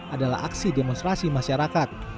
adalah aksi demonstrasi masyarakat